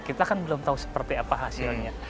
kita kan belum tahu seperti apa hasilnya